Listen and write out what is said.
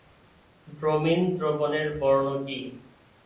Bromine দ্রবণের বর্ণ কী?